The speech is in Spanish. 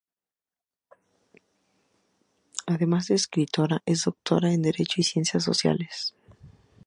Además de escritora es Doctora en Derecho y Ciencias Sociales.